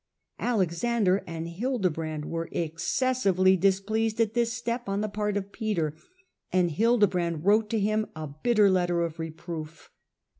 Alexander and Hildebrand were ex , cessively displeased at this step on the part of Peter, and Hildebrand wrote to him a bitter letter of repi oof.